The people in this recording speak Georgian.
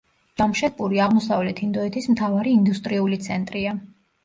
ჯამშედპური აღმოსავლეთ ინდოეთის მთავარი ინდუსტრიული ცენტრია.